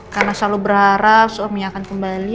karena selalu berharap suaminya akan kembali